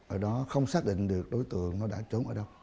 ở đó không xác định được đối tượng nó đã trốn ở đâu